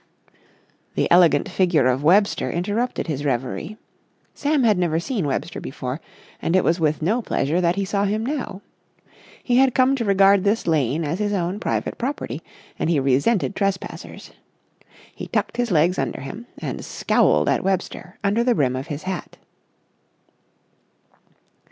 The elegant figure of Webster interrupted his reverie. Sam had never seen Webster before, and it was with no pleasure that he saw him now. He had come to regard this lane as his own private property, and he resented trespassers. He tucked his legs under him, and scowled at Webster under the brim of his hat.